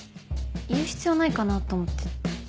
言う必要ないかなと思って。